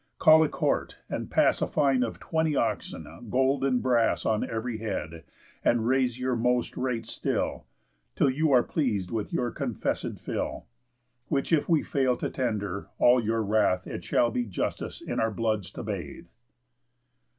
Call a court, and pass A fine of twenty oxen, gold, and brass, On ev'ry head, and raise your most rates still, Till you are pleas'd with your confesséd fill. Which if we fail to tender, all your wrath It shall be justice in our bloods to bathe."